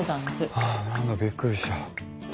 ああ何だびっくりした。